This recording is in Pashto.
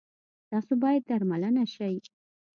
تاسو باید درملنه شی